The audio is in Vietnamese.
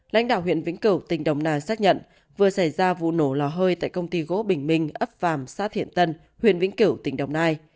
lãnh đạo huyện vĩnh cửu tỉnh đồng nai xác nhận vừa xảy ra vụ nổ lò hơi tại công ty gỗ bình minh ấp vàm sát thiện tân huyện vĩnh kiểu tỉnh đồng nai